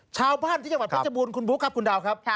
ชาวบ้านที่จังหวัดเพชรบูรณคุณบุ๊คครับคุณดาวครับ